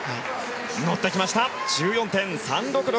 乗ってきました！１４．３６６。